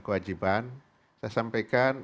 kewajiban saya sampaikan